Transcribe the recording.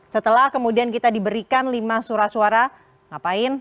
setelah kemudian kita diberikan lima surat suara ngapain